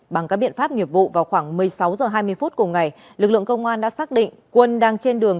bằng các biện pháp nghiệp vụ vào khoảng một mươi sáu h hai mươi phút cùng ngày lực lượng công an đã xác định quân đang trên đường